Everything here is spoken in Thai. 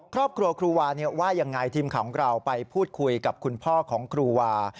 ครอบครัวครูวาเนี่ยว่ายังไงทีมของเราไปพูดคุยกับคุณพ่อของครูวา